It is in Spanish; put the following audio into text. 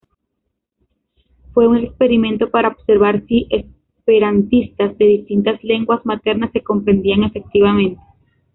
Fue un experimento para observar sí esperantistas de distintas lenguas maternas se comprendían efectivamente.